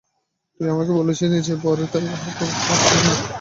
তুই আমাকে বলেছিস নিচে পড়ে তোর হাত ভেঙ্গেছ।